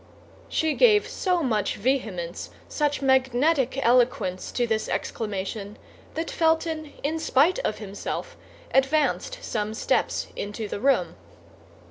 She gave so much vehemence, such magnetic eloquence to this exclamation, that Felton in spite of himself advanced some steps into the room.